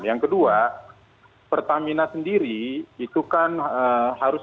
yang kedua pertamina sendiri itu kan harus